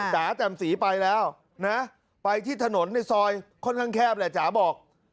จ๋าแจ่มสีไปแล้วนะไปที่ถนนในซอยค่อนข้างแคบแหละจ๋าบอก